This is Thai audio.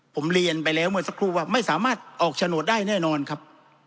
ผมเรียนไปแล้วเมื่อสักครู่ว่าไม่สามารถออกโฉนดได้แน่นอนครับ